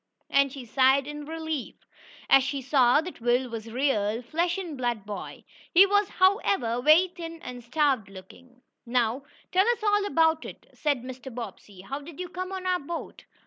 and she sighed in relief, as she saw that Will was a real, flesh and blood boy. He was, however, very thin and starved looking. "Now tell us all about it," said Mr. Bobbsey. "How did you come on our boat?"